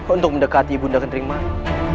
untuk mendekati ibu undah kentering mata